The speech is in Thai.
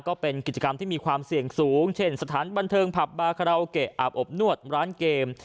ก็เป็นกิจกรรมที่มีความเสี่ยงสูงเช่นสถานบันเทิงผับบาคาราโอเกะอาบอบนวดร้านเกม